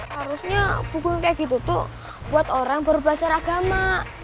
harusnya bukunya gitu tuh buat orang baru belajar agama